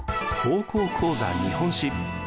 「高校講座日本史」。